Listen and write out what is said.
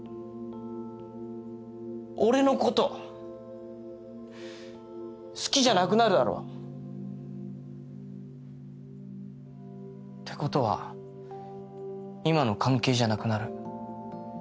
俺のこと好きじゃなくなるだろ？ってことは今の関係じゃなくなる。